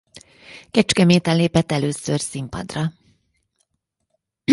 Kecskeméten lépett először színpadra.